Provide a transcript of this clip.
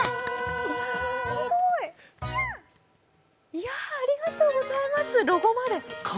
いやぁ、ありがとうございます、ロゴまで。